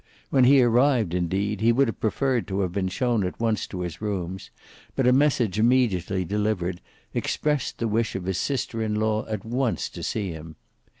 When he arrived indeed, he would have preferred to have been shown at once to his rooms, but a message immediately delivered expressed the wish of his sister in law at once to see him.